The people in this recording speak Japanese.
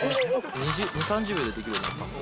２、３０秒でできるようになったんです。